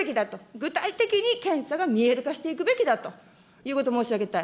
具体的に検査が見える化していくべきだということを申し上げたい。